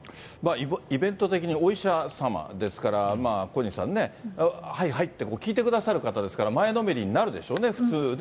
イベント的にお医者様ですから、小西さんね、はいはいって聞いてくださる方ですから、前のめりになるでしょうね、普通ね。